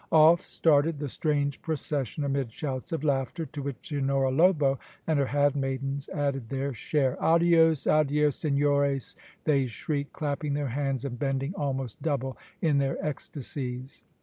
Off started the strange procession amid shouts of laughter, to which Senhora Lobo and her hand maidens added their share. "Adios, adios, senhores!" they shrieked, clapping their hands and bending almost double in their ecstasies.